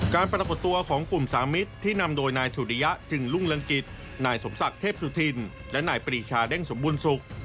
ปรากฏตัวของกลุ่มสามิตรที่นำโดยนายสุริยะจึงรุ่งเรืองกิจนายสมศักดิ์เทพสุธินและนายปรีชาเด้งสมบูรณ์สุข